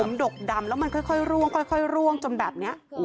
ผมดกดำแล้วมันค่อยค่อยร่วงค่อยค่อยร่วงจนแบบเนี้ยโอ้โห